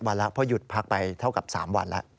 วันแล้วเพราะหยุดพักไปเท่ากับ๓วันแล้ว